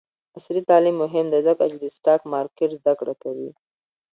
عصري تعلیم مهم دی ځکه چې د سټاک مارکیټ زدکړه کوي.